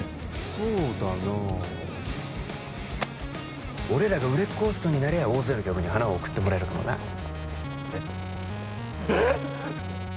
そうだな俺らが売れっ子ホストになりゃ大勢の客に花を贈ってもらえるかもなえっええっ！？